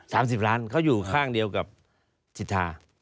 สิบล้านเขาอยู่ข้างเดียวกับสิทธา